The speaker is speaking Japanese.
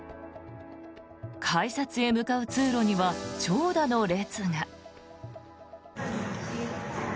改札へ向かう通路には長蛇の列が。